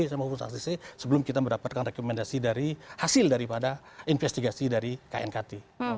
sama hukuman sanksi c sebelum kita mendapatkan rekomendasi dari hasil daripada investigasi dari knkt